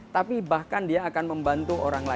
tapi bahkan dia akan membantu orangnya